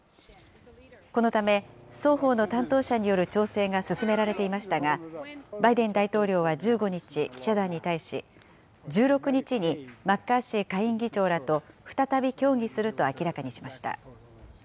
このため双方の担当者による調整が進められていましたが、バイデン大統領は１５日、記者団に対し、１６日にマッカーシー下院議長らと再び協議すると明らかにしました。